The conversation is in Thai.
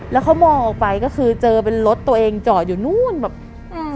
แล้วเขามองออกไปก็คือเจอเป็นรถตัวเองจอดอยู่นู้นแบบอ่า